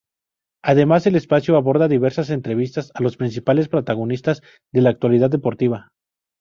Además, el espacio aborda diversas entrevistas a los principales protagonistas de la actualidad deportiva.